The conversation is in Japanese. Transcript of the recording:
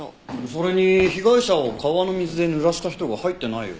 それに被害者を川の水で濡らした人が入ってないよ。